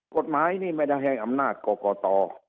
กฎหมายนี่ไม่ได้ให้อำนาจกรกต